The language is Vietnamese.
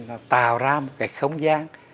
nó tạo ra một cái không gian